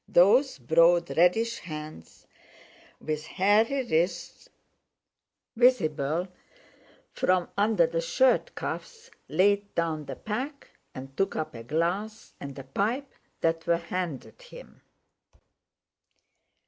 Those broad, reddish hands, with hairy wrists visible from under the shirt cuffs, laid down the pack and took up a glass and a pipe that were handed him.